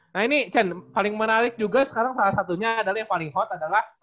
nah ini paling menarik juga sekarang salah satunya adalah yang paling hot adalah